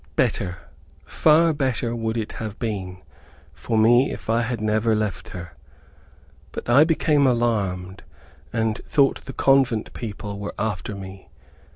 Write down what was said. Better, far better would it have been for me had I never left her. But I became alarmed, and thought the convent people were after me.